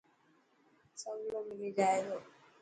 سولو ملي جائي تو.